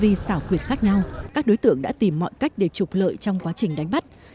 vì xảo quyệt khác nhau các đối tượng đã tìm mọi cách để trục lợi trong quá trình đánh bắt